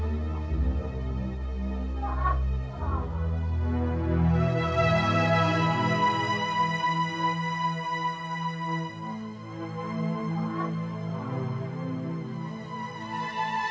baiklah domestication karena tidak banyak elohim punya biasa